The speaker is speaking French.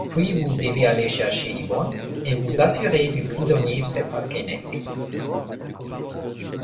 Puis vous devez aller chercher Yvonne, et vous assurer du prisonnier fait par Keinec.